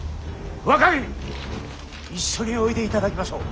若君一緒においでいただきましょう。